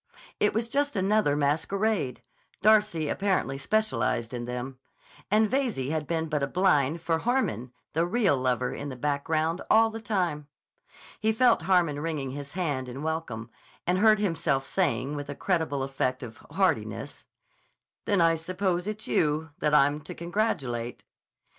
It was just another masquerade—Darcy apparently specialized in them—and Veyze had been but a blind for Harmon, the real lover in the background, all the time. He felt Harmon wringing his hand in welcome and heard himself saying with a creditable affect of heartiness: "Then I suppose it's you that I'm to congratulate."